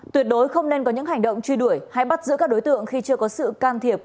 tuyệt đối không nên có những hành động truy đuổi hay bắt giữ các đối tượng khi chưa có sự can thiệp